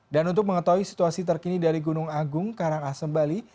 dan untuk mengetahui situasi terkini dari gunung agung karangasem bali